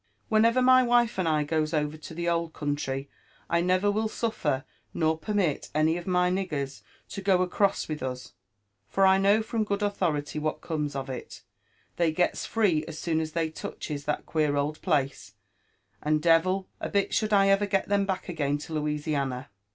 Whenever my wife and I goes over lo the old country, 1 never will suffer nor permit any of my niggers to go across with us, for I kno^ from good authority what comes of it : they gets free as soon as they touches that queer old place, and devil a bit should I ever get 'em back again to Louisiana.